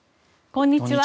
こんにちは。